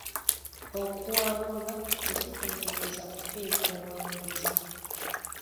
Okuwangulwa tekitegeeza kufiirwa buwanguzi.